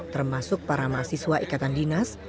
termasuk para mahasiswa ikatan dinas